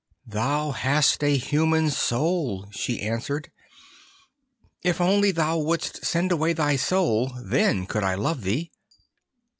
'Thou hast a human soul,' she answered. 'If only thou wouldst send away thy soul, then could I love thee.